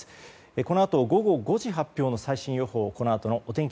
このあと、午後５時発表の最新情報を天気